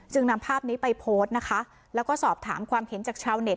นำภาพนี้ไปโพสต์นะคะแล้วก็สอบถามความเห็นจากชาวเน็ต